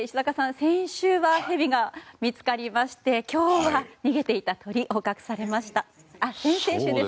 先々週はヘビが見つかりまして今日は逃げていた鳥捕獲されました。